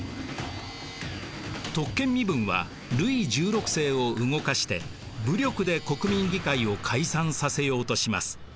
特権身分はルイ１６世を動かして武力で国民議会を解散させようとします。